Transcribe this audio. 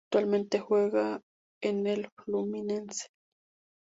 Actualmente juega en el Fluminense.